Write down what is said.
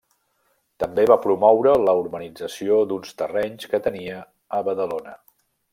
També va promoure la urbanització d'uns terrenys que tenia a Badalona.